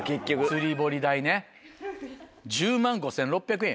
釣り堀代ね１０万５６００円。